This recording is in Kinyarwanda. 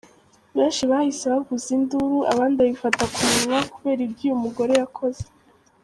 Benshi bahise bavuza induru abandi bifata ku munwa kubera ibyo uyu mugore yakoze.